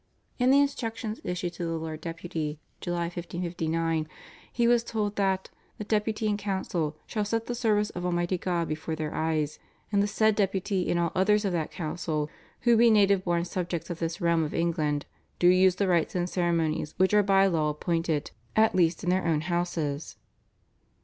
In the instructions issued to the Lord Deputy (July 1559) he was told that "the Deputy and Council shall set the service of Almighty God before their eyes, and the said Deputy and all others of that council, who be native born subjects of this realm of England, do use the rites and ceremonies which are by law appointed, at least in their own houses."